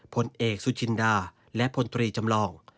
พลเอกสุจินดาและพลตรีจำลอง